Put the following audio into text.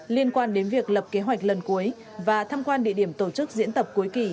liên quan đến việc lập kế hoạch lần cuối và thăm quan địa điểm tổ chức diễn tập cuối kỳ